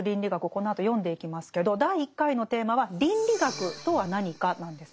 このあと読んでいきますけど第１回のテーマは「倫理学とは何か」なんですね。